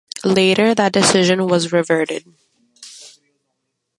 Later that decision was reverted.